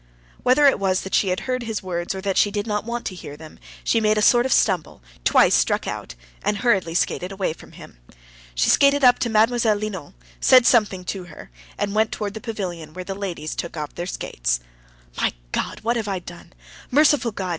Whether it was that she had heard his words, or that she did not want to hear them, she made a sort of stumble, twice struck out, and hurriedly skated away from him. She skated up to Mlle. Linon, said something to her, and went towards the pavilion where the ladies took off their skates. "My God! what have I done! Merciful God!